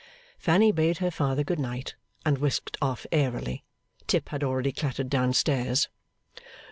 Fanny bade her father good night, and whisked off airily. Tip had already clattered down stairs.